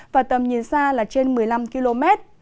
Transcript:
và tầm nhìn xa là trên một mươi năm km